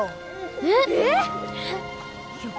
えっ！？